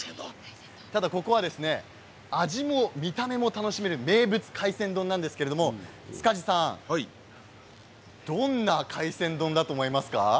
ただ、ここは味も見た目も楽しめる名物海鮮丼なんですけど塚地さん、どんな海鮮丼だと思いますか。